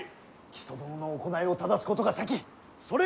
木曽殿の行いを正すことが先。